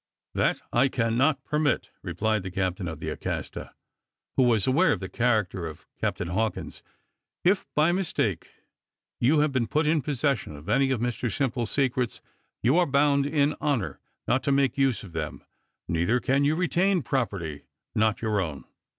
"That I cannot permit," replied the captain of the Acasta, who was aware of the character of Captain Hawkins; "if, by mistake, you have been put in possession of any of Mr Simple's secrets, you are bound in honour not to make use of them; neither can you retain property not your own."